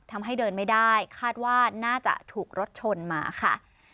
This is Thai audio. ทำให้เดินไม่ได้คาดว่าน่าจะถูกรถชนมาค่ะ